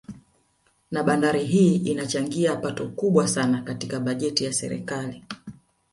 Na bandari hii inachangia pato kubwa sana katika bajeti ya serikali